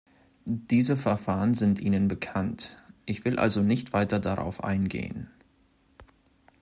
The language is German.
Diese Verfahren sind Ihnen bekannt, ich will also nicht weiter darauf eingehen.